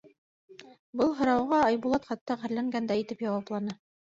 Был һорауға Айбулат хатта ғәрләнгәндәй итеп яуапланы.